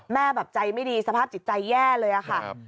แบบใจไม่ดีสภาพจิตใจแย่เลยค่ะ